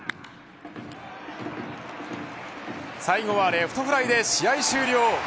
最後はレフトフライで試合終了。